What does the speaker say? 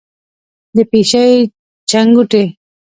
د پیشۍ چنګوټی،